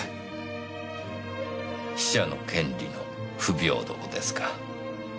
死者の権利の不平等ですか。